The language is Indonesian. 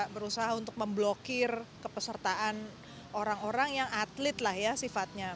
berusaha untuk memblokir kepesertaan orang orang yang atlet sifatnya